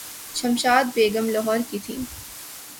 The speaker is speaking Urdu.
شمشاد بیگم لاہورکی تھیں۔